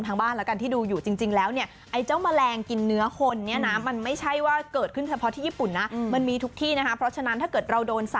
แต่ว่าจริงเพราะว่าฝากเตือนนะคะถึงคุณผู้ชมทางบ้านส่วนที่ดูอยู่